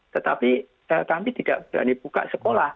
tetapi kami tidak berani buka sekolah